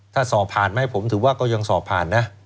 ถ้าสอบผ่านไหมผมถือว่าก็ยังสอบผ่านนะ